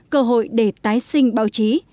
cơ hội để tái sinh báo chí